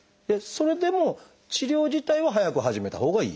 それでも治療自体は早く始めたほうがいい？